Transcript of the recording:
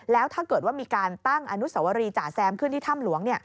แล้วถ้าเกิดว่ามีการตั้งอนุสวรีจ่าแซมขึ้นที่ถ้ำหลวง